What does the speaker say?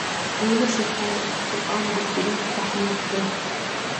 دوی نشي کولای خپل عام دوکتورین تحمیل کړي.